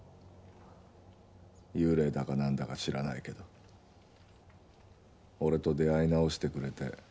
幽霊だかなんだか知らないけど俺と出会い直してくれて。